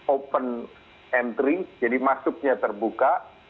open entry jadi masuknya terbuka